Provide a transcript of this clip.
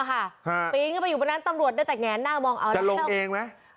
ปีนขึ้นไปอยู่บนนั้นตำรวจได้แต่แงนหน้ามองเอาแล้วลงเองไหม